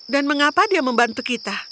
dan mengapa dia membantu kita